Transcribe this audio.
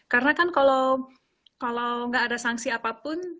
karena kan kalau nggak ada sanksi apapun